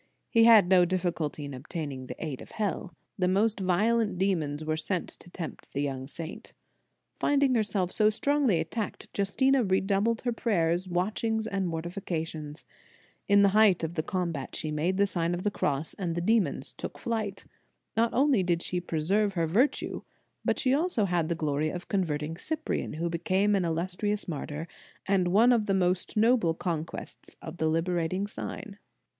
He had no diffi culty in obtaining the aid of hell. The most violent demons were sent to tempt the young saint. Finding herself so strongly attacked, Justina redoubled her prayers, watchings and mortifications. In the height of the combat she made the Sign of the Cross, and the demons took to flight. Not only did she preserve her virtue, but she had also the glory of converting Cyprian, who became an illustrious martyr, and one of the most noble conquests of the liberating sign.